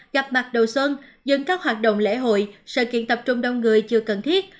gặp mặt đầu xuân dừng các hoạt động lễ hội sự kiện tập trung đông người chưa cần thiết